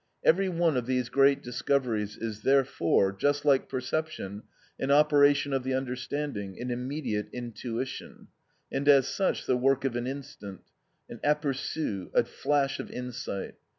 Every one of these great discoveries is therefore, just like perception, an operation of the understanding, an immediate intuition, and as such the work of an instant, an apperçu, a flash of insight.